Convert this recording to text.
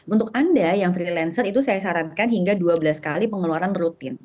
untuk anda yang freelancer itu saya sarankan hingga dua belas kali pengeluaran rutin